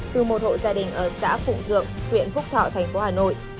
từ một hộ gia đình ở xã phụng thượng huyện phúc thọ tp hà nội